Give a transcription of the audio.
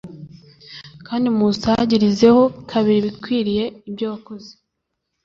kandi muwusagirizeho kabiri ibikwiriye ibyo wakoze.